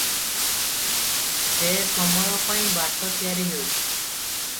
ସେ ସମୟ ପାଇଁ ବାଟ ତିଆରି ହେଉ ।